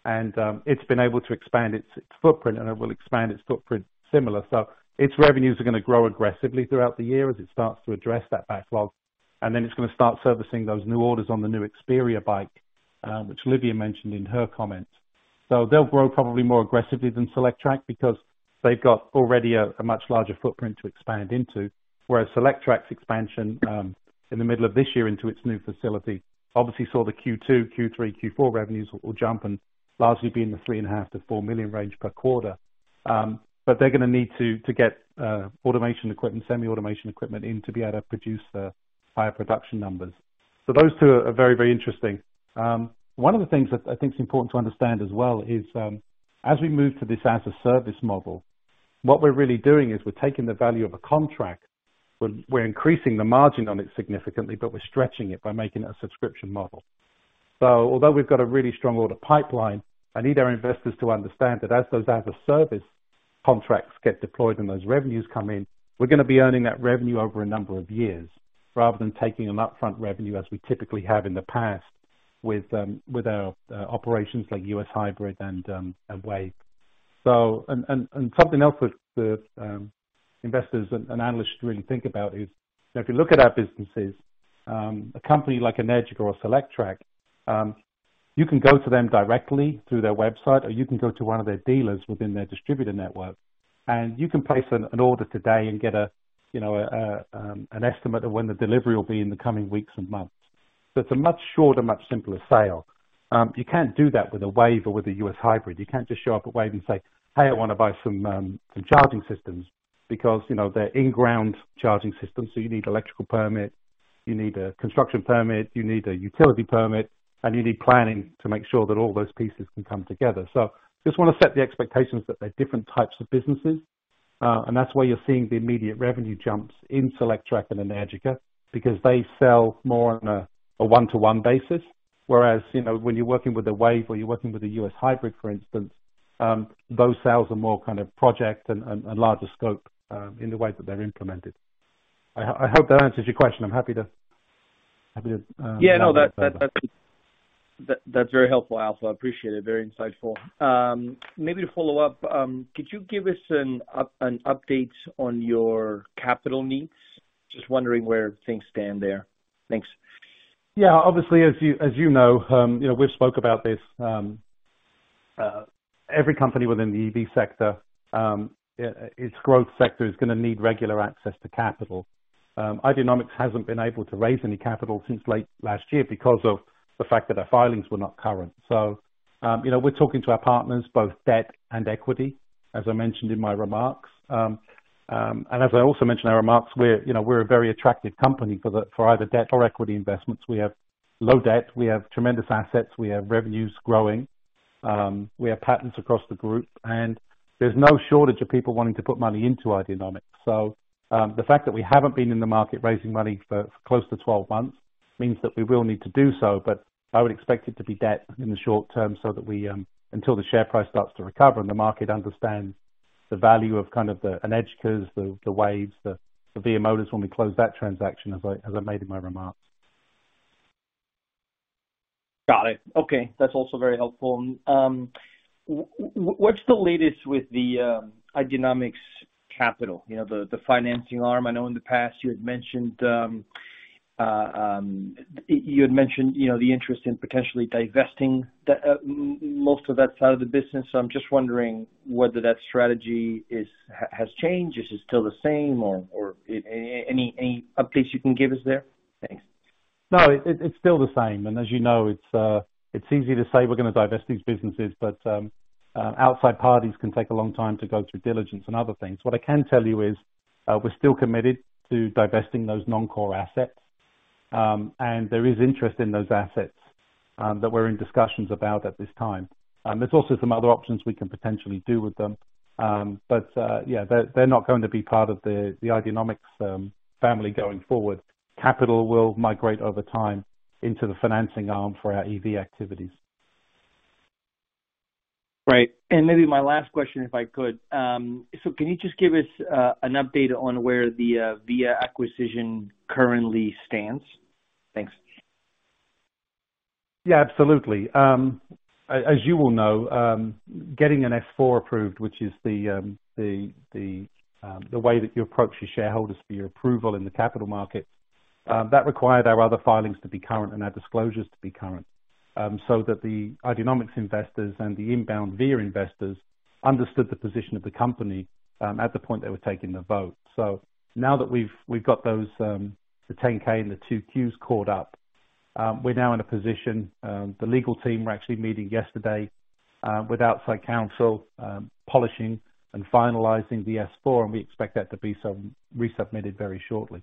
and it's been able to expand its footprint, and it will expand its footprint similar. Its revenues are gonna grow aggressively throughout the year as it starts to address that backlog, and then it's gonna start servicing those new orders on the new Experia bike, which Livia Cevolini mentioned in her comments. They'll grow probably more aggressively than Solectrac because they've got already a much larger footprint to expand into, whereas Solectrac's expansion in the middle of this year into its new facility obviously saw the Q2, Q3, Q4 revenues will jump and largely be in the $3.5-$4 million range per quarter. They're gonna need to get automation equipment, semi-automation equipment in to be able to produce the higher production numbers. Those two are very, very interesting. One of the things that I think is important to understand as well is, as we move to this as-a-service model, what we're really doing is we're taking the value of a contract. We're increasing the margin on it significantly, but we're stretching it by making it a subscription model. Although we've got a really strong order pipeline, I need our investors to understand that as those as-a-service contracts get deployed and those revenues come in, we're gonna be earning that revenue over a number of years rather than taking an upfront revenue as we typically have in the past with our operations like US Hybrid and WAVE. Something else with the investors and analysts to really think about is if you look at our businesses, a company like Energica or Solectrac, you can go to them directly through their website, or you can go to one of their dealers within their distributor network, and you can place an order today and get a you know an estimate of when the delivery will be in the coming weeks and months. It's a much shorter, much simpler sale. You can't do that with a WAVE or with a US Hybrid. You can't just show up at WAVE and say, "Hey, I wanna buy some charging systems," because, you know, they're in-ground charging systems, so you need electrical permit, you need a construction permit, you need a utility permit, and you need planning to make sure that all those pieces can come together. Just wanna set the expectations that they're different types of businesses, and that's why you're seeing the immediate revenue jumps in Solectrac and Energica because they sell more on a one-to-one basis. Whereas, you know, when you're working with a WAVE or you're working with a US Hybrid, for instance, those sales are more kind of project and larger scope in the way that they're implemented. I hope that answers your question. I'm happy to. Yeah. No. That's very helpful, Alf. I appreciate it. Very insightful. Maybe to follow up. Could you give us an update on your capital needs? Just wondering where things stand there. Thanks. Yeah. Obviously, as you know, you know, we've spoke about this, every company within the EV sector, its growth sector is gonna need regular access to capital. Ideanomics hasn't been able to raise any capital since late last year because of the fact that our filings were not current. You know, we're talking to our partners, both debt and equity, as I mentioned in my remarks. As I also mentioned in our remarks, you know, we're a very attractive company for either debt or equity investments. We have low debt. We have tremendous assets. We have revenues growing. We have patents across the group, and there's no shortage of people wanting to put money into Ideanomics. The fact that we haven't been in the market raising money for close to 12 months means that we will need to do so. I would expect it to be debt in the short term so that we, until the share price starts to recover and the market understands the value of kind of the Energica, the WAVE, the VIA Motors when we close that transaction, as I made in my remarks. Got it. Okay, that's also very helpful. What's the latest with the Ideanomics Capital, you know, the financing arm. I know in the past you had mentioned, you know, the interest in potentially divesting the most of that side of the business. I'm just wondering whether that strategy has changed. Is it still the same or any updates you can give us there? Thanks. No, it's still the same. As you know, it's easy to say we're gonna divest these businesses, but outside parties can take a long time to go through diligence and other things. What I can tell you is, we're still committed to divesting those non-core assets. There is interest in those assets that we're in discussions about at this time. There's also some other options we can potentially do with them. They're not going to be part of the Ideanomics family going forward. Capital will migrate over time into the financing arm for our EV activities. Right. Maybe my last question, if I could. Can you just give us an update on where the VIA acquisition currently stands? Thanks. Yeah, absolutely. As you all know, getting an S-4 approved, which is the way that you approach your shareholders for your approval in the capital markets, that required our other filings to be current and our disclosures to be current, so that the Ideanomics investors and the inbound VIA investors understood the position of the company, at the point they were taking the vote. Now that we've got those, the 10-K and the two 10-Qs caught up, we're now in a position, the legal team were actually meeting yesterday, with outside counsel, polishing and finalizing the S-4, and we expect that to be re-submitted very shortly.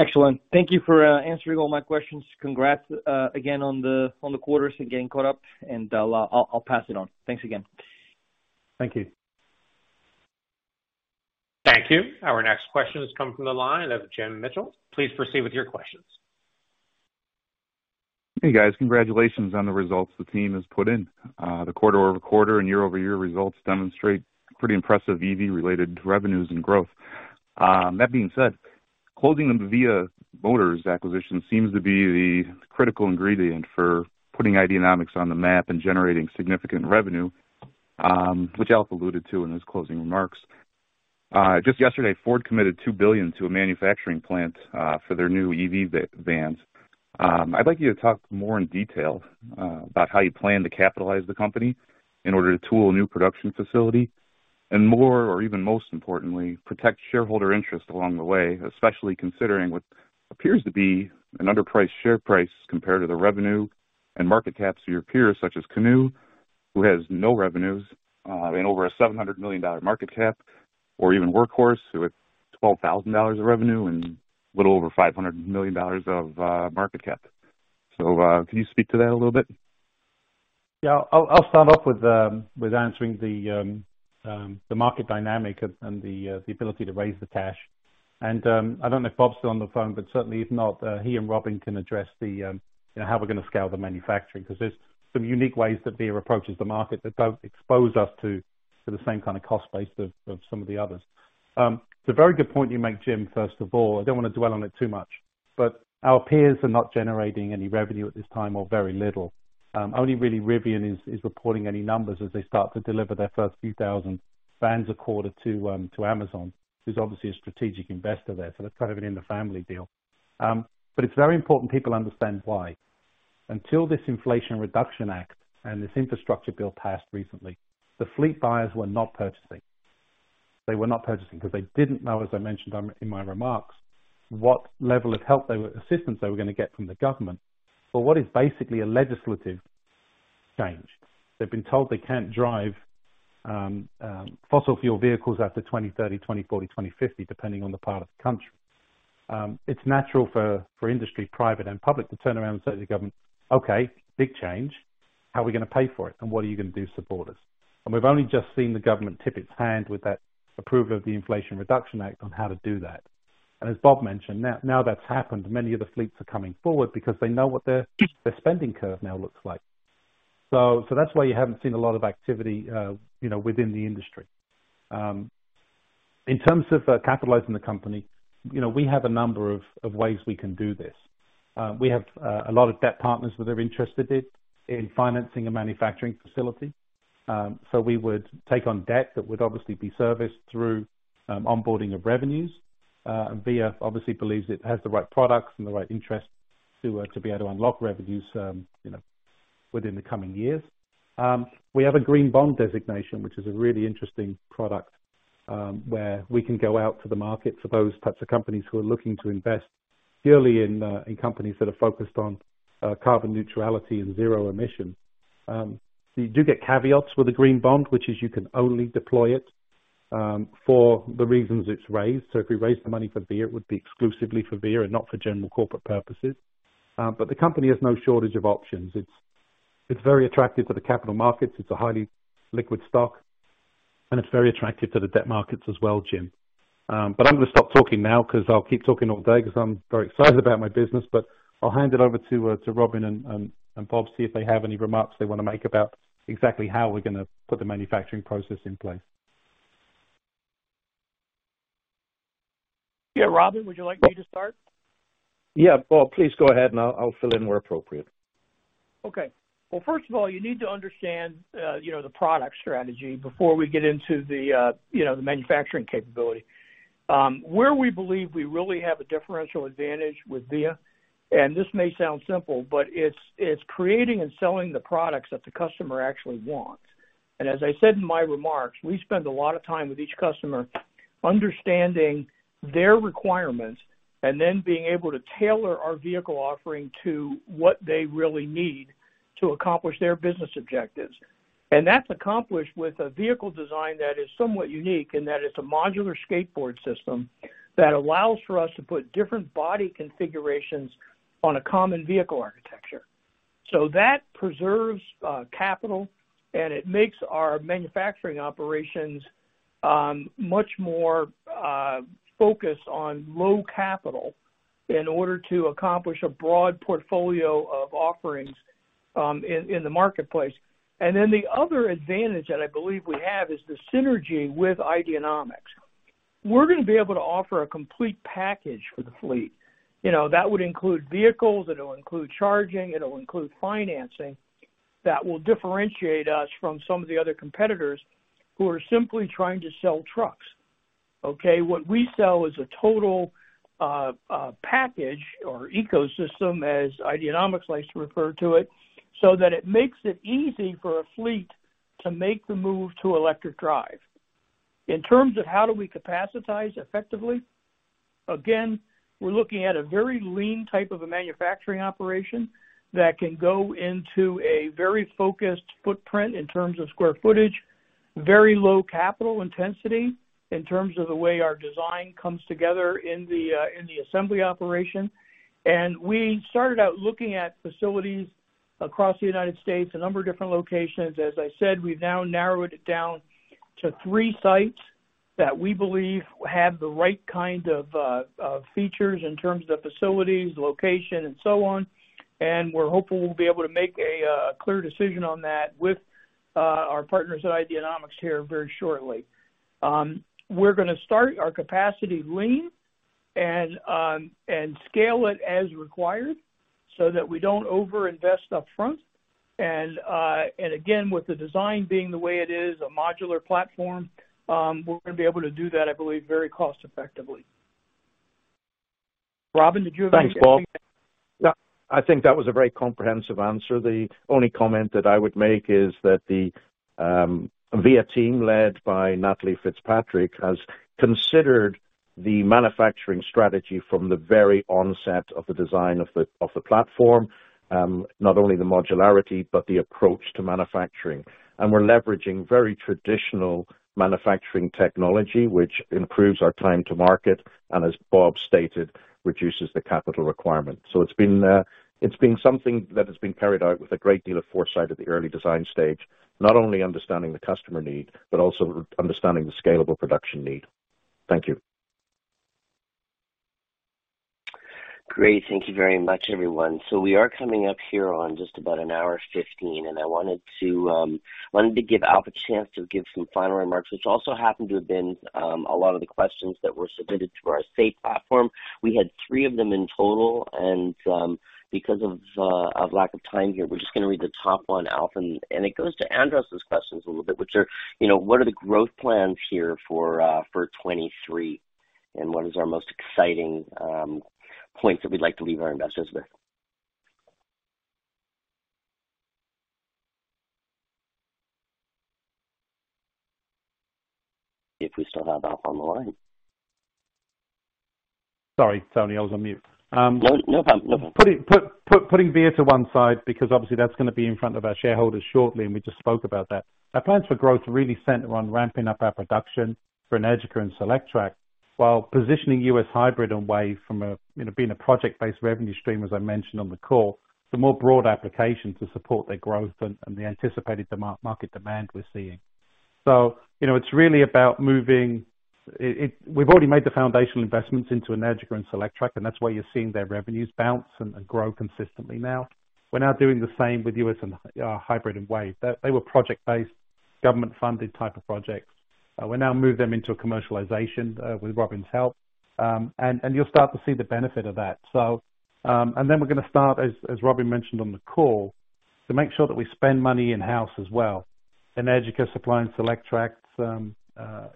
Excellent. Thank you for answering all my questions. Congrats again on the quarters and getting caught up, and I'll pass it on. Thanks again. Thank you. Thank you. Our next question has come from the line of Jim Mitchell. Please proceed with your questions. Hey, guys. Congratulations on the results the team has put in. The quarter-over-quarter and year-over-year results demonstrate pretty impressive EV-related revenues and growth. That being said, closing the VIA Motors acquisition seems to be the critical ingredient for putting Ideanomics on the map and generating significant revenue, which Alf alluded to in his closing remarks. Just yesterday, Ford committed $2 billion to a manufacturing plant for their new EV vans. I'd like you to talk more in detail about how you plan to capitalize the company in order to tool a new production facility and more, or even most importantly, protect shareholder interest along the way, especially considering what appears to be an underpriced share price compared to the revenue and market caps of your peers, such as Canoo, who has no revenues and over a $700 million market cap, or even Workhorse, with $12,000 of revenue and little over $500 million of market cap. Can you speak to that a little bit? Yeah. I'll start off with answering the market dynamic and the ability to raise the cash. I don't know if Bob's still on the phone, but certainly if not, he and Robin can address the you know how we're gonna scale the manufacturing, because there's some unique ways that Via approaches the market that don't expose us to the same kind of cost base of some of the others. It's a very good point you make, Jim. First of all, I don't want to dwell on it too much, but our peers are not generating any revenue at this time or very little. Only really Rivian is reporting any numbers as they start to deliver their first few thousand vans a quarter to Amazon, who's obviously a strategic investor there. That's kind of an in the family deal. It's very important people understand why. Until this Inflation Reduction Act and this Infrastructure Bill passed recently, the fleet buyers were not purchasing. They were not purchasing because they didn't know, as I mentioned in my remarks, what level of assistance they were gonna get from the government. What is basically a legislative change. They've been told they can't drive fossil fuel vehicles after 2030, 2040, 2050, depending on the part of the country. It's natural for industry, private and public, to turn around and say to the government, "Okay, big change. How are we gonna pay for it, and what are you gonna do to support us?" We've only just seen the government tip its hand with that approval of the Inflation Reduction Act on how to do that. As Bob mentioned, now that's happened, many of the fleets are coming forward because they know what their spending curve now looks like. That's why you haven't seen a lot of activity, you know, within the industry. In terms of capitalizing the company, you know, we have a number of ways we can do this. We have a lot of debt partners that are interested in financing a manufacturing facility. So we would take on debt that would obviously be serviced through onboarding of revenues. Via obviously believes it has the right products and the right interest to be able to unlock revenues, you know, within the coming years. We have a green bond designation, which is a really interesting product, where we can go out to the market for those types of companies who are looking to invest purely in companies that are focused on carbon neutrality and zero emission. You do get caveats with a green bond, which is you can only deploy it for the reasons it's raised. If we raised the money for Via, it would be exclusively for Via and not for general corporate purposes. The company has no shortage of options. It's very attractive to the capital markets. It's a highly liquid stock, and it's very attractive to the debt markets as well, Jim. I'm gonna stop talking now because I'll keep talking all day because I'm very excited about my business. I'll hand it over to Robin and Bob, see if they have any remarks they wanna make about exactly how we're gonna put the manufacturing process in place. Yeah. Robin, would you like me to start? Yeah. Bob, please go ahead, and I'll fill in where appropriate. Okay. Well, first of all, you need to understand, you know, the product strategy before we get into the, you know, the manufacturing capability. Where we believe we really have a differential advantage with VIA, and this may sound simple, but it's creating and selling the products that the customer actually wants. As I said in my remarks, we spend a lot of time with each customer understanding their requirements and then being able to tailor our vehicle offering to what they really need to accomplish their business objectives. That's accomplished with a vehicle design that is somewhat unique in that it's a modular skateboard system that allows for us to put different body configurations on a common vehicle architecture. That preserves capital, and it makes our manufacturing operations much more focused on low capital in order to accomplish a broad portfolio of offerings in the marketplace. The other advantage that I believe we have is the synergy with Ideanomics. We're gonna be able to offer a complete package for the fleet, you know. That would include vehicles, it'll include charging, it'll include financing, that will differentiate us from some of the other competitors who are simply trying to sell trucks, okay? What we sell is a total package or ecosystem, as Ideanomics likes to refer to it, so that it makes it easy for a fleet to make the move to electric drive. In terms of how do we capacitize effectively, again, we're looking at a very lean type of a manufacturing operation that can go into a very focused footprint in terms of square footage, very low capital intensity in terms of the way our design comes together in the assembly operation. We started out looking at facilities across the United States, a number of different locations. As I said, we've now narrowed it down to three sites that we believe have the right kind of features in terms of facilities, location and so on, and we're hopeful we'll be able to make a clear decision on that with our partners at Ideanomics here very shortly. We're gonna start our capacity lean and scale it as required so that we don't overinvest upfront. And again, with the design being the way it is, a modular platform, we're gonna be able to do that, I believe, very cost effectively. Robin, did you have anything to add? Thanks, Bob. No, I think that was a very comprehensive answer. The only comment that I would make is that the VIA team, led by Natalie Fitzpatrick, has considered the manufacturing strategy from the very onset of the design of the platform, not only the modularity but the approach to manufacturing. We're leveraging very traditional manufacturing technology, which improves our time to market and, as Bob stated, reduces the capital requirement. It's been something that has been carried out with a great deal of foresight at the early design stage, not only understanding the customer need but also understanding the scalable production need. Thank you. Great. Thank you very much, everyone. We are coming up here on just about 1 hour 15 minutes, and I wanted to give Alf a chance to give some final remarks, which also happened to have been a lot of the questions that were submitted through our Say platform. We had 3 of them in total, and because of lack of time here, we're just gonna read the top one, Alf, and it goes to address those questions a little bit, which are, you know, what are the growth plans here for 2023? And what is our most exciting point that we'd like to leave our investors with? If we still have Alf on the line. Sorry, Tony. I was on mute. No, no problem. Putting VIA to one side because obviously that's gonna be in front of our shareholders shortly, and we just spoke about that. Our plans for growth really center on ramping up our production for Energica and Solectrac while positioning US Hybrid and WAVE from, you know, being a project-based revenue stream, as I mentioned on the call, to more broad application to support their growth and the anticipated market demand we're seeing. You know, it's really about moving. We've already made the foundational investments into Energica and Solectrac, and that's why you're seeing their revenues bounce and grow consistently now. We're now doing the same with US Hybrid and WAVE. They were project-based, government-funded type of projects. We now move them into a commercialization with Robin's help. You'll start to see the benefit of that. We're gonna start, as Robin mentioned on the call, to make sure that we spend money in-house as well. Energica supplying Solectrac's,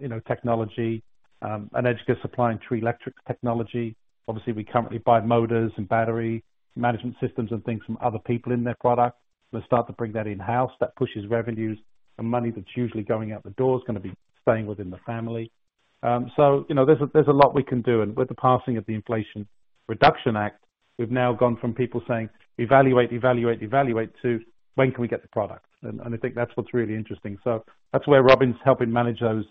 you know, technology, Energica supplying Treeletrik's technology. Obviously, we currently buy motors and battery management systems and things from other people in their product. We'll start to bring that in-house. That pushes revenues. The money that's usually going out the door is gonna be staying within the family. You know, there's a lot we can do. With the passing of the Inflation Reduction Act, we've now gone from people saying, "Evaluate, evaluate," to, "When can we get the product?" I think that's what's really interesting. That's where Robin's helping manage those,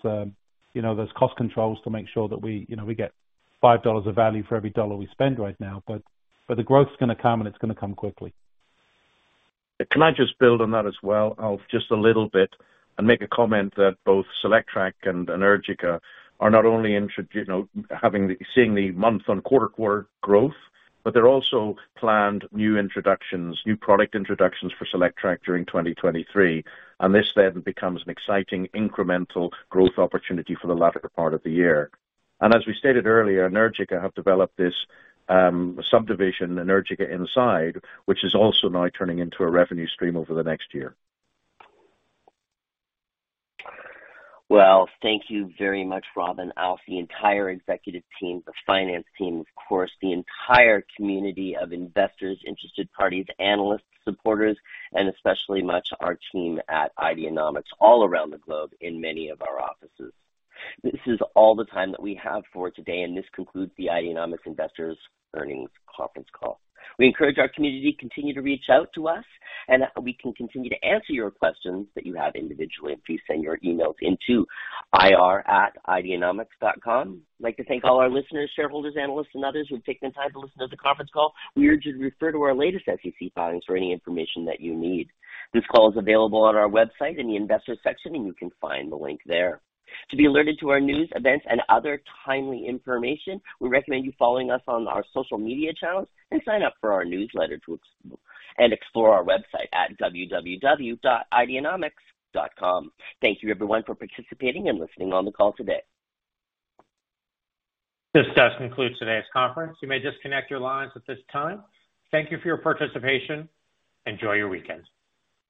you know, those cost controls to make sure that we, you know, we get $5 of value for every $1 we spend right now. But the growth's gonna come, and it's gonna come quickly. Can I just build on that as well, Alf, just a little bit, and make a comment that both Solectrac and Energica are not only, you know, seeing the month-over-month and quarter-over-quarter growth, but they're also planning new introductions, new product introductions for Solectrac during 2023. This then becomes an exciting incremental growth opportunity for the latter part of the year. As we stated earlier, Energica have developed this subdivision, Energica Inside, which is also now turning into a revenue stream over the next year. Well, thank you very much, Robin, Alf, the entire executive team, the finance team, of course, the entire community of investors, interested parties, analysts, supporters, and especially much our team at Ideanomics all around the globe in many of our offices. This is all the time that we have for today, and this concludes the Ideanomics Investors Earnings Conference Call. We encourage our community to continue to reach out to us, and we can continue to answer your questions that you have individually. If you send your emails to ir@ideanomics.com. I'd like to thank all our listeners, shareholders, analysts and others who've taken the time to listen to the conference call. We urge you to refer to our latest SEC filings for any information that you need. This call is available on our website in the Investors section, and you can find the link there. To be alerted to our news, events, and other timely information, we recommend you follow us on our social media channels and sign up for our newsletter and explore our website at www.ideanomics.com. Thank you everyone for participating and listening on the call today. This does conclude today's conference. You may disconnect your lines at this time. Thank you for your participation. Enjoy your weekend.